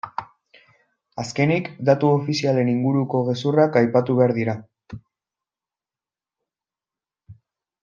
Azkenik, datu ofizialen inguruko gezurrak aipatu behar dira.